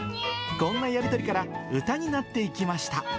こんなやり取りから、歌になっていきました。